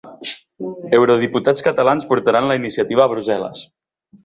Eurodiputats catalans portaran la iniciativa a Brussel·les